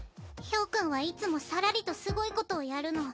豹君はいつもさらりとすごいことをやるの。